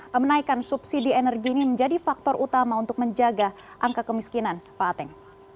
pemenaikan subsidi energi ini menjadi faktor utama untuk menjaga angka kemiskinan pak ateng